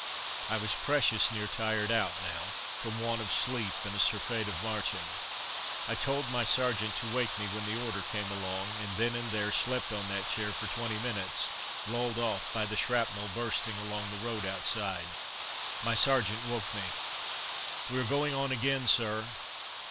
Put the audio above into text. I was precious near tired out now, from want of sleep and a surfeit of marching. I told my sergeant to wake me when the order came along, and then and there slept on that chair for twenty minutes, lulled off by the shrapnel bursting along the road outside. My sergeant woke me. "We are going on again, sir!"